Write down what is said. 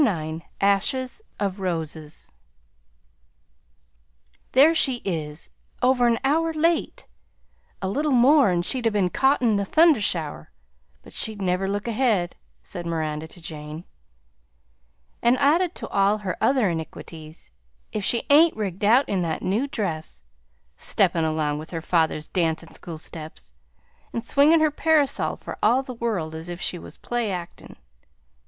IX ASHES OF ROSES "There she is, over an hour late; a little more an' she'd 'a' been caught in a thunder shower, but she'd never look ahead," said Miranda to Jane; "and added to all her other iniquities, if she ain't rigged out in that new dress, steppin' along with her father's dancin' school steps, and swingin' her parasol for all the world as if she was play actin'.